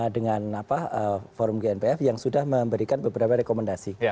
dengan forum gnpf yang sudah memberikan beberapa rekomendasi